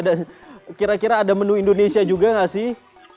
dan kira kira ada menu indonesia juga nggak sih